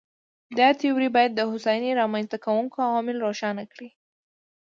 دا تیوري باید د هوساینې رامنځته کوونکي عوامل روښانه کړي.